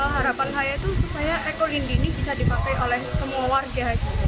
harapan saya itu supaya eko lindi ini bisa dipakai oleh semua warga